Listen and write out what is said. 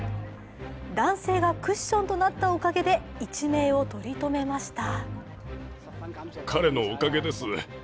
男性がクッションなったおかげで一命を取り留めました。